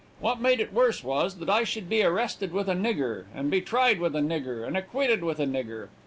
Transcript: What made it worse was, that I should be arrested with a nigger, and be tried with a nigger, and acquitted with a nigger.